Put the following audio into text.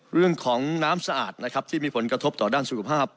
เรื่องของน้ำสะอาดนะครับที่มีผลกระทบต่อด้านสุขภาพ